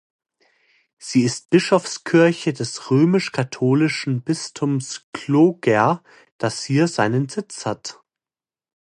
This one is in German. Sie ist Bischofskirche des römisch-katholischen Bistums Clogher, das hier seinen Sitz hat.